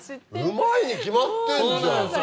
うまいに決まってんじゃん。